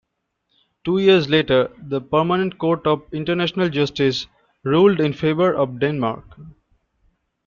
Two years later, the Permanent Court of International Justice ruled in favor of Denmark.